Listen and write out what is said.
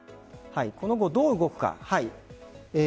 この後、どう動くか。